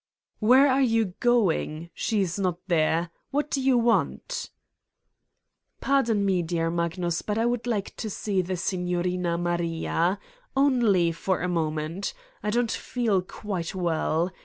" Where are you going? She is not there. What do you want?" " Pardon me, dear Magnus, but I would like to see the Signorina Maria. Only for a moment. I don't feel quite well.